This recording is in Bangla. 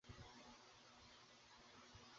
তোমার যৌন অভিজ্ঞতার পরিধি বিস্তৃত করতে চাচ্ছি।